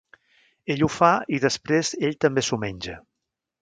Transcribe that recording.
Ella ho fa i després ell també s'ho menja.